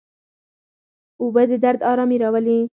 اوبه د درد آرامي راولي.